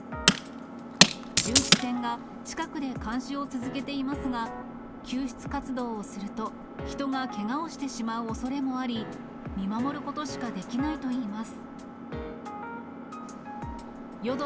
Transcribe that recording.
巡視船が近くで監視を続けていますが、救出活動をすると、人がけがをしてしまうおそれもあり、見守ることしかできないといいます。